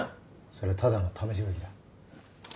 それはただの試し書きだ。